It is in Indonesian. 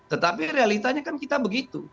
tetapi realitanya kan kita begitu